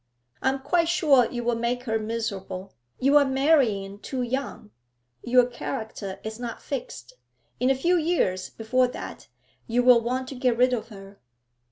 'I am quite sure you will make her miserable. You are marrying too young. Your character is not fixed. In a few years, before that, you will want to get rid of her.'